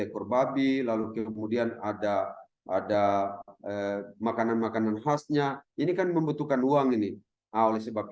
ekor babi lalu kemudian ada ada makanan makanan khasnya ini kan membutuhkan uang ini oleh sebab